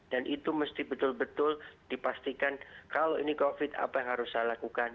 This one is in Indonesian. dan itu mesti betul betul dipastikan kalau ini covid sembilan belas apa yang harus saya lakukan